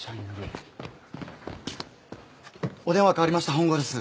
お電話代わりました本郷です。